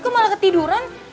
kok malah ketiduran